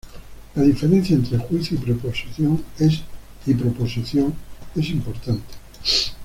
La diferencia entre juicio y proposición es importante.